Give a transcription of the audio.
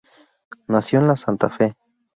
Nació en la Santa Fe.